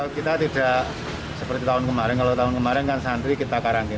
kita tidak seperti tahun kemarin kalau tahun kemarin kan santri kita karantina